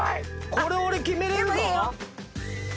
これ俺決めれるぞ。